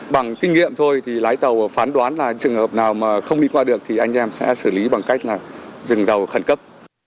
bằng kinh nghiệm thôi thì lái tàu phán đoán là trường hợp nào mà không đi qua được thì anh em sẽ xử lý bằng cách là dừng đầu khẩn cấp